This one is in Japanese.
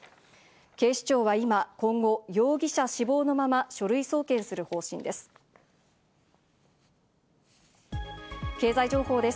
警視庁は今後、容疑者死亡のまま書類送検する方針です。